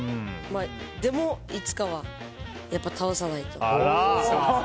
でも、いつかはやっぱり倒さないと。